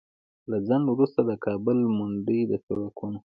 له ځنډ وروسته د کابل منډوي د سړکونو